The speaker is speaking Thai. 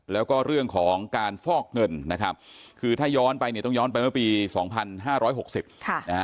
แล้วก็เรื่องของการฟอกเงินนะครับคือถ้าย้อนไปเนี่ยต้องย้อนไปเมื่อปี๒๕๖๐นะฮะ